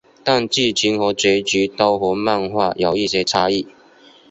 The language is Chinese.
但剧情和结局都和漫画有一些差异。